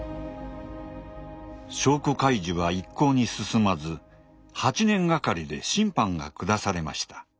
証拠開示は一向に進まず８年がかりで審判が下されました。